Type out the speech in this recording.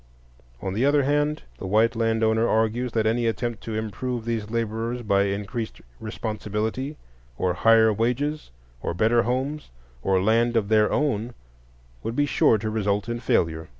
On the other hand, the white land owner argues that any attempt to improve these laborers by increased responsibility, or higher wages, or better homes, or land of their own, would be sure to result in failure.